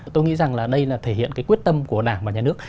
tôi nghĩ rằng là đây là thể hiện cái quyết tâm của đảng và nhà nước